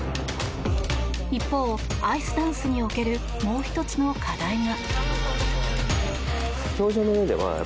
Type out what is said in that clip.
一方、アイスダンスにおけるもう１つの課題が。